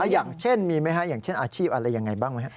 อย่างเช่นมีไหมฮะอย่างเช่นอาชีพอะไรยังไงบ้างไหมครับ